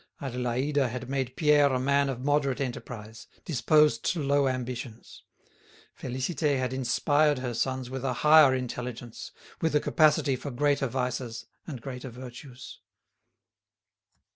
Adélaïde had made Pierre a man of moderate enterprise, disposed to low ambitions; Félicité had inspired her sons with a higher intelligence, with a capacity for greater vices and greater virtues.